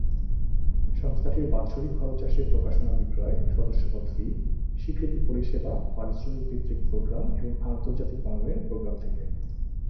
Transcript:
সংস্থাটির বাৎসরিক খরচ আসে প্রকাশনা বিক্রয়, সদস্যপদ ফি, স্বীকৃতি পরিষেবা, পারিশ্রমিক ভিত্তিক প্রোগ্রাম, এবং আন্তর্জাতিক মানের প্রোগ্রাম থেকে।